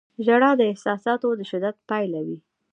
• ژړا د احساساتو د شدت پایله وي.